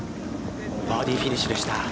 バーディーフィニッシュでした。